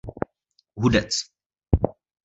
Hudec.